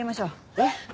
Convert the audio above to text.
えっ。